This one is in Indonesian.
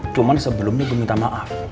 cuman sebelumnya gue minta maaf